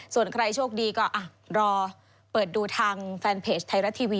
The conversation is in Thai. ส่วนใครโชคดีก็รอเปิดดูทางแฟนเพจไทยรัฐทีวี